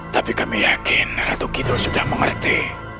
tapi kami yakin ratu gito sudah mengerti